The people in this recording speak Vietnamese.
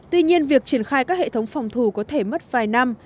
tuy nhiên việc triển khai các hệ thống phòng thủ có thể mất vài năm